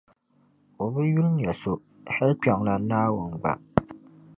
o bi yuli n-nya so, hal kpiɔŋlana Naawuni gba.